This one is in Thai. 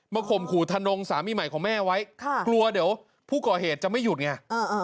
ข่มขู่ทะนงสามีใหม่ของแม่ไว้ค่ะกลัวเดี๋ยวผู้ก่อเหตุจะไม่หยุดไง